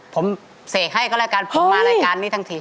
ผมเสกให้ก็แล้วกันผมมารายการนี้ทั้งที